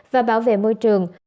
và bảo vệ môi trường